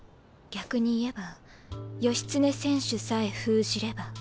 逆に言えば義経選手さえ封じれば。